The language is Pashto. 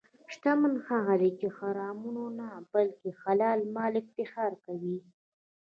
شتمن هغه دی چې په حرامو نه، بلکې حلال مال افتخار کوي.